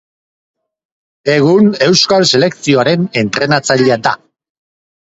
Egun Euskal Selekzioaren entrenatzailea da.